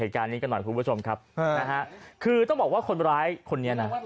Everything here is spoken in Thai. เหตุการณ์นี้กันหน่อยคุณผู้ชมครับนะฮะคือต้องบอกว่าคนร้ายคนนี้นะ